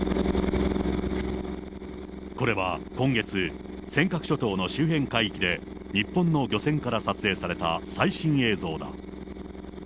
これは、今月、尖閣諸島の周辺海域で、日本の漁船から撮影された最新映像だ。